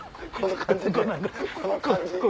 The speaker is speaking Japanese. この感じ！